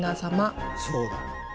そうだ。